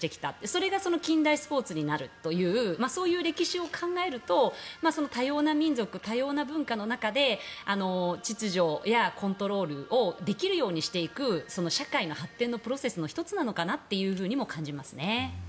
それが近代スポーツになるというそういう歴史を考えると多様な民族、多様な文化の中で秩序やコントロールをできるようにしていく社会の発展のプロセスの１つなのかなとも感じます。